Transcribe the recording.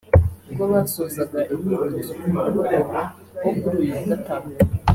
ubwo basozaga imyitozo ku mugoroba wo kuri uyu wa Gatanu